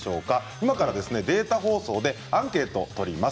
今からデータ放送でアンケートを取ります。